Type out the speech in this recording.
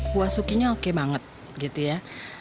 buah sukinya oke banget gitu ya